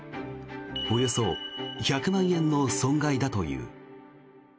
およそ１００万円の損害だという。